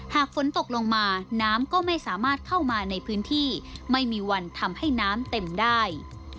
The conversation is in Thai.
หากฝนตกลงมาน้ำก็ไม่สามารถเข้ามาในพื้นที่ไม่มีวันทำให้น้ำเต็มได้